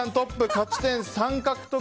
勝ち点３獲得。